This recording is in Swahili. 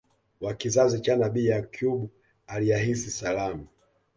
wa kizazi cha Nabii Yaquub Alayhis Salaam